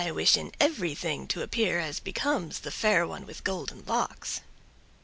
I wish in everything to appear as becomes the Fair One with Golden Locks."